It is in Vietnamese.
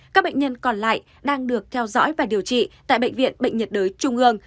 các bệnh nhân còn lại đang được theo dõi và điều trị tại bệnh viện bệnh nhiệt đới trung ương